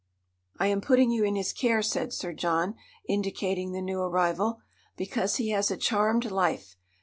"I am putting you in his care," said Sir John, indicating the new arrival, "because he has a charmed life.